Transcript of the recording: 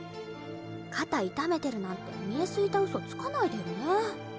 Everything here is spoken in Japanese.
肩痛めてるなんて見え透いたうそつかないでよね。